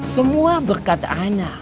semua berkat ana